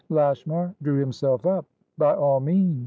Lashmar drew himself up. "By all means."